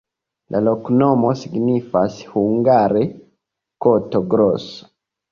La loknomo signifas hungare koto-groso.